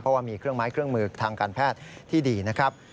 เพราะว่ามีเครื่องไม้เครื่องมือทางการแพทย์ที่ดีนะครับ